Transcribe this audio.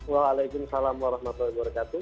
waalaikumsalam warahmatullahi wabarakatuh